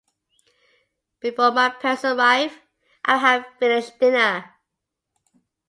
Before my parents arrive, I will have finished dinner.